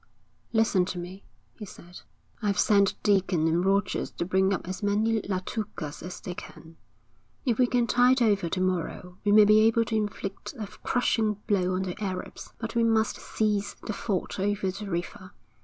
'Listen to me,' he said. 'I've sent Deacon and Rogers to bring up as many Latukas as they can. If we can tide over to morrow we may be able to inflict a crushing blow on the Arabs; but we must seize the ford over the river.